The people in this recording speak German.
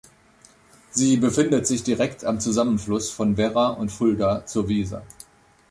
Sie befindet sich direkt am Zusammenfluss von Werra und Fulda zur Weser.